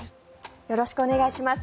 よろしくお願いします。